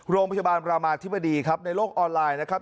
โรงพยาบาลรามาธิบดีครับในโลกออนไลน์นะครับ